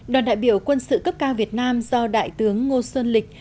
đoàn đại biểu quân sự cấp cao việt nam do đại tướng ngô xuân lịch